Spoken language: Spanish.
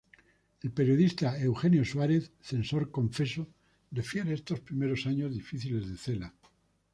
El periodista Eugenio Suárez, censor confeso, refiere estos primeros años difíciles de Cela.